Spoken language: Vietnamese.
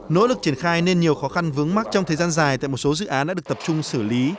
nỗ lực triển khai nên nhiều khó khăn vướng mắt trong thời gian dài tại một số dự án đã được tập trung xử lý